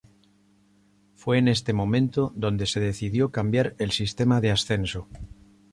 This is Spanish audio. Fue en este momento donde se decidió cambiar el sistema de ascenso.